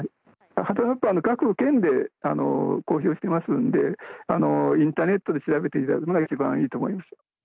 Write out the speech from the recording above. ハザードマップは各県で公表してますんで、インターネットで調べていただくのが一番いいと思います。